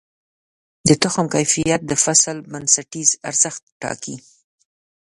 د تخم کیفیت د فصل بنسټیز ارزښت ټاکي.